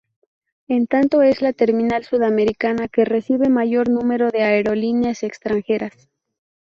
En tanto, es la terminal sudamericana que recibe mayor número de aerolíneas extranjeras.